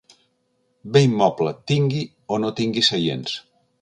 Bé immoble, tingui o no tingui seients.